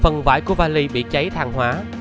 phần vải của vali bị cháy thang hóa